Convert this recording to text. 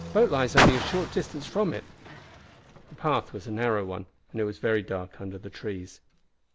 The boat lies only a short distance from it." The path was a narrow one, and it was very dark under the trees.